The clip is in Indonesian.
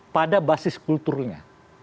pada basis kulturnya